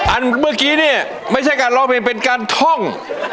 อันเมื่อกี้เนี่ยไม่ใช่การเราเป็นการท่อง